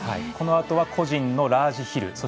このあとは個人のラージヒル。